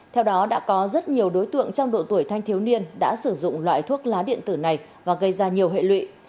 theo đó đã có rất nhiều đối tượng trong độ tuổi thanh thiếu niên đã sử dụng loại thuốc lá điện tử này và gây ra nhiều hệ lụy